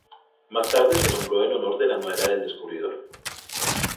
Más tarde se nombró en honor de la nuera del descubridor.